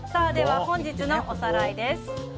本日のおさらいです。